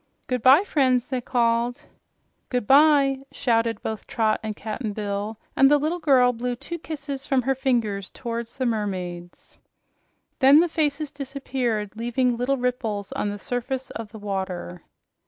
"Goodbye, friends!" they called. "Goodbye!" shouted both Trot and Cap'n Bill, and the little girl blew two kisses from her fingers toward the mermaids. Then the faces disappeared, leaving little ripples on the surface of the water.